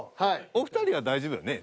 お二人は大丈夫よね？